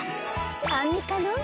アンミカの。